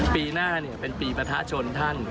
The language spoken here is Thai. ปีหน้าเป็นปีประทะชนท่าน